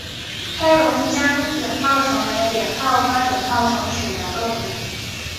黑龙江碘泡虫为碘泡科碘泡虫属的动物。